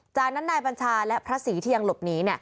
จากนั้นนายบัญชาและพระศรีที่ยังหลบหนี